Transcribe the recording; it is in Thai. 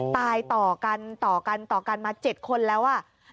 ตายต่อกันต่อกันต่อกันมา๗คนแล้ว